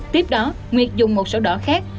tiếp đó nguyệt dùng một sổ đỏ khác